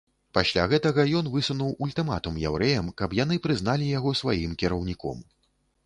Пасля гэтага ён высунуў ультыматум яўрэям, каб яны прызналі яго сваім кіраўніком.